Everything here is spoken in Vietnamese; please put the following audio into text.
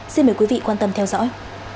xin mời quý vị quan tâm theo dõi